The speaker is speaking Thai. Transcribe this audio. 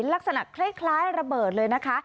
ลักษณะคล้ายระเบิดเลยนะคะ